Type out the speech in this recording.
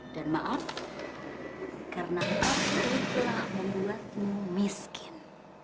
dan maaf karena aku telah membuatmu miskin